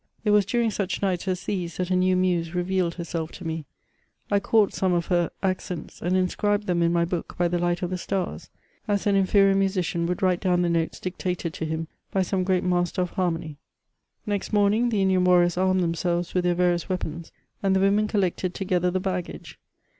It was during such nights as these that a new muse revealed herself to me ; I caught some of her accents, and inscribed them in my book by the light of the stars, as an inferior musician woidd write down the notes dictated to him by some great master of harmony. Next morning, the Indian warriors armed themselves with their various weapons, and the women collected together the baggage.